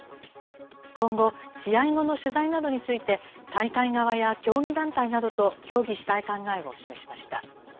今後、試合後の取材などについて、大会側や競技団体などと協議したい考えを示しました。